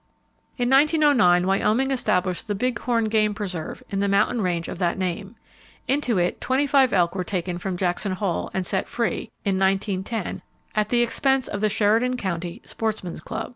[Page 349] In 1909, Wyoming established the Big Horn Game Preserve, in the mountain range of that name. Into it 25 elk were taken from Jackson Hole, and set free, in 1910, at the expense of the Sheridan County Sportsmen's Club.